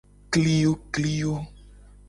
Kliyokliyo.